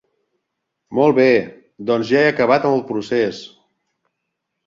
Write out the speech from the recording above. Molt bé, doncs ja he acabat amb el procés.